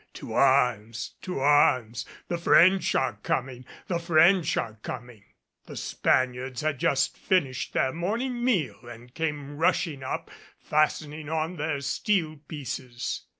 "To arms! To arms! The French are coming! The French are coming!" The Spaniards had just finished their morning meal and came rushing up, fastening on their steel pieces.